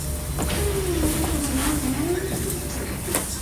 কিছু বাংলাদেশি অবৈধ অভিবাসী।